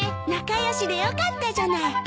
仲良しでよかったじゃない。